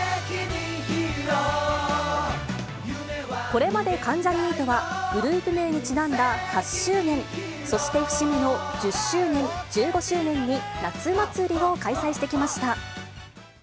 これまで関ジャニ∞は、グループ名にちなんだ８周年、そして節目の１０周年、１５周年に、夏祭りを開催してきました。